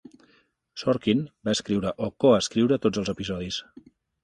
Sorkin va escriure o coescriure tots els episodis.